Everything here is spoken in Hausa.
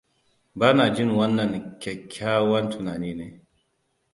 Bana jin wannan kyakkywan tunani ne.